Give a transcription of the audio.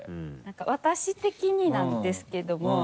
私的になんですけども。